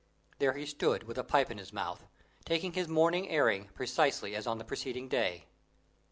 There he stood, with a pipe in his mouth, taking his morning airing precisely as on the preceding day.